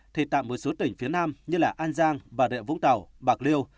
thì tạm một số tỉnh phía nam như an giang bà rịa vũng tàu bạc liêu